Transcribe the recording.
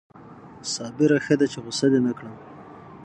صابره ښه ده چې غصه دې نه کړم